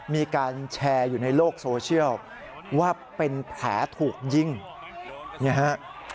มีการแชร์อยู่ในโลกโซเชียลว่าเป็นแผลถูกยิงเนี่ยฮะ